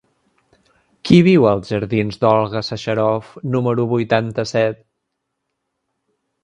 Qui viu als jardins d'Olga Sacharoff número vuitanta-set?